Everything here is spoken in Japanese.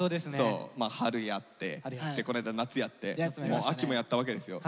まあ「春」やってこの間「夏」やって「秋」もやったわけですよ。